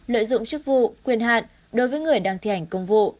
lợi dụng chức vụ quyền hạn đối với người đang thi hành công vụ